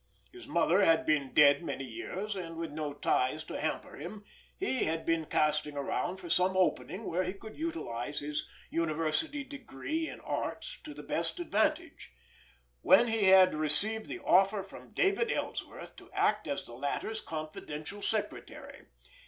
His mother had been dead many years; and, with no ties to hamper him, he had been casting around for some opening where he could utilize his university degree in arts to the best advantage, when he had received the offer from David Ellsworth to act as the latter's confidential secretary.